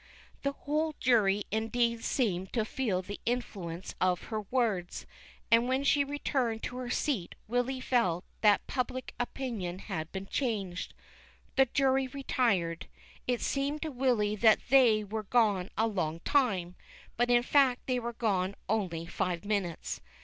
The whole Jury indeed seemed to feel the influence of her words, and when she returned to her seat Willy felt that public opinion had been changed. The Jury retired. It seemed to Willy that they were gone a long time, but in fact they were gone only five minutes.